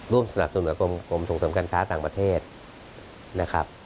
สนับสนุนกับกรมส่งเสริมการค้าต่างประเทศนะครับ